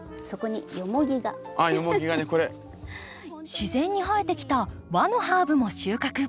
自然に生えてきた和のハーブも収穫。